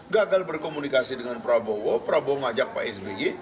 gagal berkomunikasi dengan prabowo prabowo ngajak pak sby